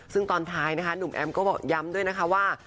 ซึ่งตอนท้ายนะคะหนุ่มแอมก็บอกย้ำด้วยนะคะว่า